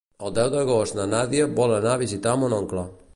El deu d'agost na Nàdia vol anar a visitar mon oncle.